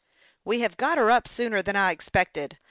" We have got her up sooner than I expected.